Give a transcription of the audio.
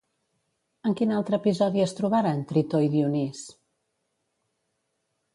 En quin altre episodi es trobaren Tritó i Dionís?